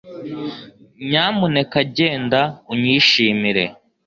Nyamuneka genda unyishimire